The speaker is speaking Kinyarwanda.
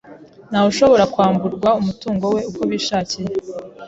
Ntawe ushobora kwamburwa umutungo we uko bishakiye.